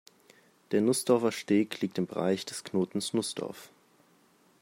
Der Nussdorfer Steg liegt im Bereich des Knotens Nussdorf.